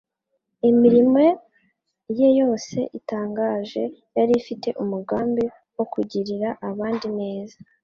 Imirimo ye yose itangaje yari ifite umugambi wo kugirira abandi neza.